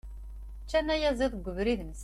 Ččan ayaziḍ deg ubrid-nsen.